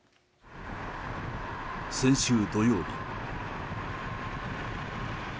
先週土曜日。